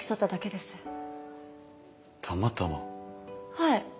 はい。